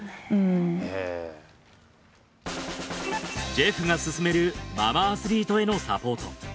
ジェフが進めるママアスリートへのサポート。